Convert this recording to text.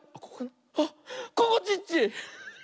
あっここちっち！